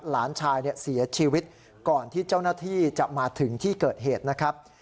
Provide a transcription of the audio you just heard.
หลานชายเสียชีวิตก่อนที่เจ้าหน้าที่จะมาถึงที่เกิดเหตุนะครับ